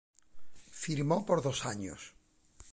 Firmó por dos años.